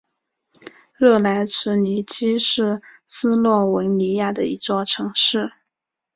热莱兹尼基是斯洛文尼亚的一座城市。